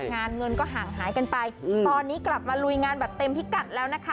งานเงินก็ห่างหายกันไปตอนนี้กลับมาลุยงานแบบเต็มพิกัดแล้วนะคะ